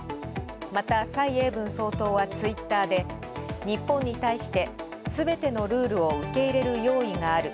また、蔡英文総統はツイッターで日本に対して「全てのルールを受け入れる用意がある」